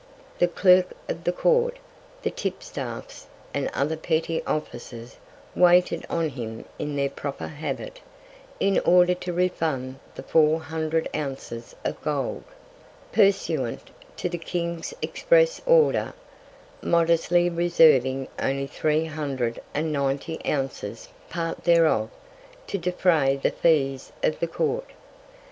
The Clerk of the Court, the Tipstaffs, and other petty Officers, waited on him in their proper Habit, in order to refund the four Hundred Ounces of Gold, pursuant to the King's express Order; modestly reserving only three Hundred and ninety Ounces, part thereof, to defray the Fees of the Court.